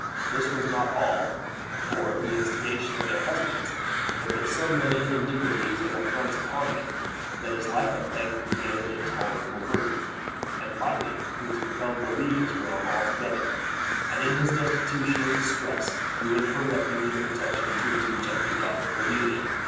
This was not all; for, at the instigation of their husbands, they put so many indignities and affronts upon him, that his life at length became an intolerable burden, and finally he was compelled to leave the realm altogether, and in his destitution and distress he went for refuge and protection to his rejected daughter Cordiella.